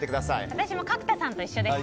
私も角田さんと一緒です。